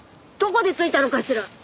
どこでついたのかしら？